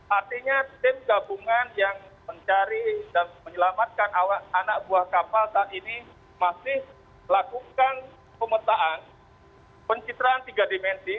artinya tim gabungan yang mencari dan menyelamatkan anak buah kapal saat ini masih melakukan pemetaan pencitraan tiga dimensi